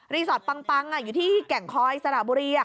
รีสอร์ทปังอยู่ที่แก่งคอยสระบุรีอะ